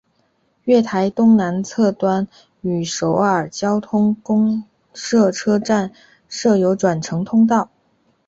月台东南侧端与首尔交通公社车站设有转乘通道。